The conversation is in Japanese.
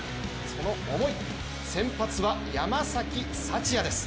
その思い、先発は山崎福也です。